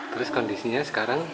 terus kondisinya sekarang